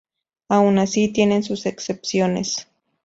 Aun así, tienen sus excepciones.